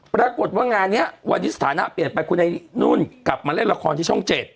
ปรากฏว่างานนี้วันนี้สถานะเปลี่ยนไปคุณไอ้นุ่นกลับมาเล่นละครที่ช่อง๗